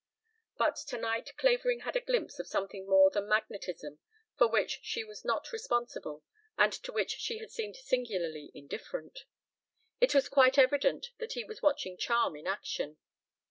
But tonight Clavering had a glimpse of something more than a magnetism for which she was not responsible and to which she had seemed singularly indifferent. It was quite evident that he was watching charm in action.